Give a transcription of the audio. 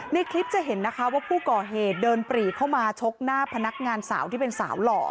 ในคลิปจะเห็นนะคะว่าผู้ก่อเหตุเดินปรีเข้ามาชกหน้าพนักงานสาวที่เป็นสาวหล่อ